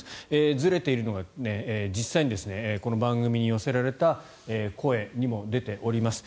ずれているのが実際にこの番組に寄せられた声にも出ております。